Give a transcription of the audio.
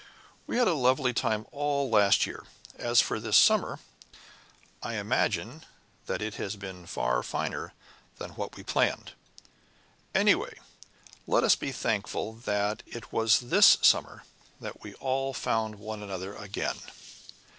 "We had a lovely time all last year. As for this summer, I imagine that it has been far finer than what we planned. Anyway, let us be thankful that it was this summer that we all found one another again."